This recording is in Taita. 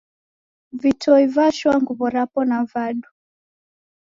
Vitoi vashoa nguw'o rapo na vadu.